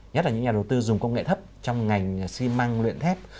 nhất là những nhà đầu tư dùng công nghệ thấp trong ngành xi măng luyện thép